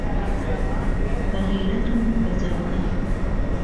به غیرەت و به جهوهەر